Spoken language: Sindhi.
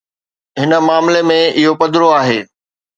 هن معاملي ۾ اهو پڌرو آهي.